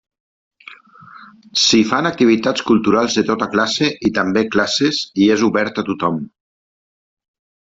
S'hi fan activitats culturals de tota classe i també classes i és obert a tothom.